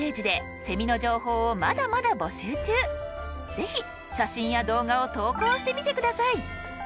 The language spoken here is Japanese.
ぜひ写真や動画を投稿してみて下さい。